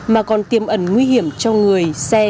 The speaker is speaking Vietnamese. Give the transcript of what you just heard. mà còn tiêm ẩn nguy hiểm cho người xe